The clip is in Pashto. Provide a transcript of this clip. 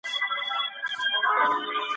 ولسي جرګه به د هنري اثارو د قاچاق مخه نيسي.